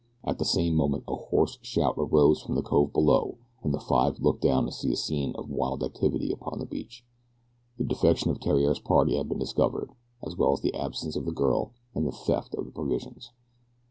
At the same moment a hoarse shout arose from the cove below and the five looked down to see a scene of wild activity upon the beach. The defection of Theriere's party had been discovered, as well as the absence of the girl and the theft of the provisions.